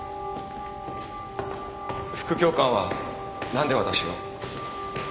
副教官は何で私を？